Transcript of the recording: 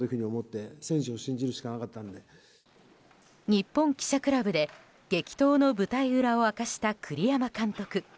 日本記者クラブで、激闘の舞台裏を明かした栗山監督。